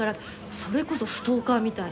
それこそストーカーみたいに。